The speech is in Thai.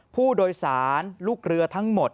ผู้โดยสารลูกเรือทั้งหมด